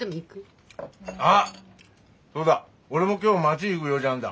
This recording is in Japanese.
あっそうだ俺も今日町行ぐ用事あんだ。